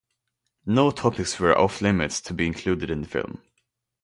No topics were off limits to be included in the film.